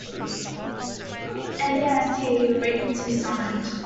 And there I see him waiting to be summoned.